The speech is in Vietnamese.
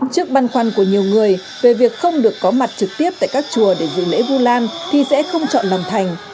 trước băn khoăn của nhiều người về việc không được có mặt trực tiếp tại các chùa để dự lễ vu lan thì sẽ không chọn lòng thành